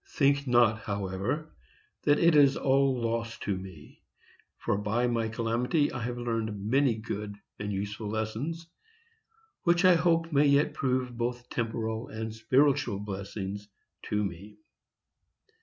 Think not, however, that it is all loss to me, for by my calamity I have learned many good and useful lessons, which I hope may yet prove both temporal and spiritual blessings to me.